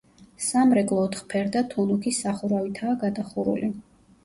სამრეკლო ოთხფერდა თუნუქის სახურავითაა გადახურული.